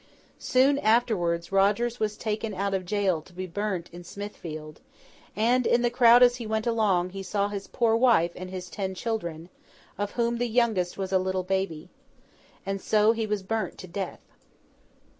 Soon afterwards, Rogers was taken out of jail to be burnt in Smithfield; and, in the crowd as he went along, he saw his poor wife and his ten children, of whom the youngest was a little baby. And so he was burnt to death.